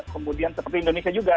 kemudian seperti indonesia juga